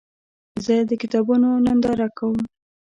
زه د کتابونو ننداره کوم.